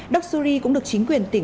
doxury cũng được chính quyền dự báo